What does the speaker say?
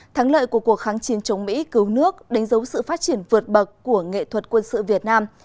thắng lợi của cuộc kháng chiến chống mỹ cứu nước đánh dấu sự phát triển vượt bậc của nghệ thuật quân sự việt nam